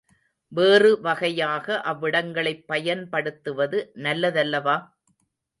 வேறு வகையாக அவ்விடங்களைப் பயன்படுத்துவது நல்லதல்லவா?